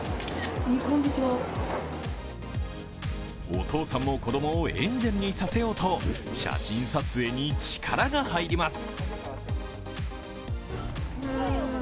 お父さんも子供をエンジェルにさせようと写真撮影に力が入ります。